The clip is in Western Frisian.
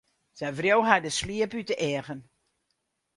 Sy wreau har de sliep út de eagen.